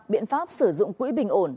biện pháp sử dụng quỹ bình ổn